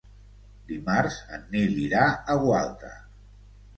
Dimarts en Nil irà a Gualta.